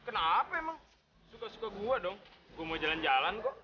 kenapa emang suka suka gua dong gue mau jalan jalan kok